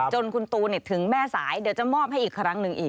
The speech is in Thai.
จนคุณตูนถึงแม่สายเดี๋ยวจะมอบให้อีกครั้งหนึ่งอีก